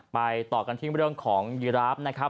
ไปต่อกันทิ้งไปเรื่องของยิราฟนะครับ